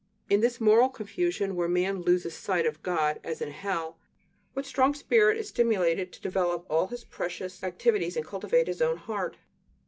In this moral confusion, where man "loses sight of God," as in hell, what strong spirit is stimulated to develop all his precious activities and cultivate his own heart?